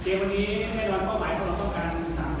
เกมวันนี้ให้เราให้วางเฝียรติธรรมการ๓แบบ